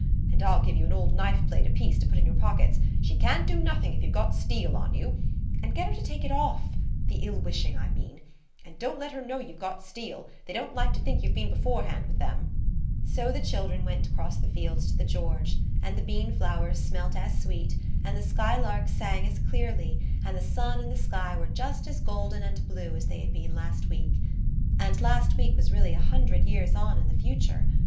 And I'll give you an old knife blade apiece to put in your pockets; she can't do nothing if you've got steel on you. And get her to take it off–the ill wishing, I mean. And don't let her know you've got steel; they don't like to think you've been beforehand with them." So the children went down across the fields to the "George," and the bean flowers smelt as sweet, and the skylarks sang as clearly, and the sun and the sky were just as golden and blue as they had been last week. And last week was really a hundred years on in the future.